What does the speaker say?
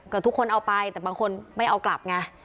ก็ทุกคนเอาไปแต่บางคนไม่เอากลับไง